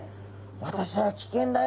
「私は危険だよ。